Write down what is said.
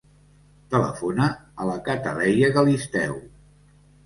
Telefona a la Cataleya Galisteo.